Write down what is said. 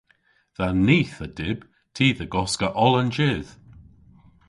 Dha nith a dyb ty dhe goska oll an jydh.